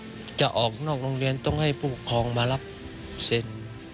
ถ้าจะออกนอกโรงเรียนต้องให้ผู้ปกครองมารับเซ็น